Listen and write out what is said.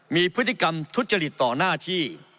มีพฤติกรรมทุจริตต่อหน้าที่